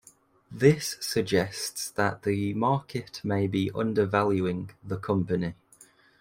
This suggests that the market may be undervaluing the company.